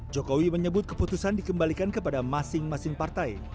jokowi menyebut keputusan dikembalikan kepada masing masing partai